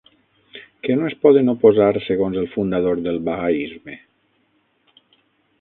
Què no es poden oposar segons el fundador del bahaisme?